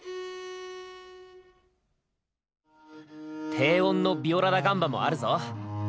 低音のヴィオラ・ダ・ガンバもあるぞ。